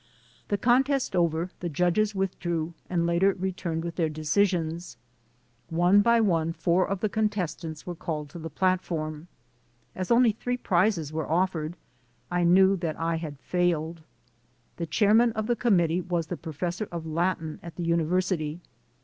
The contest over, the judges withdrew and later returned with their decisions. One by one four of the contestants were called to the platform. As only three prizes were offered, I knew that I had failed. The chairman of the committee was the professor of Latin at the University.